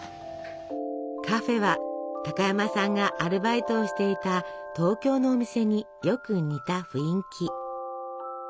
カフェは高山さんがアルバイトをしていた東京のお店によく似た雰囲気。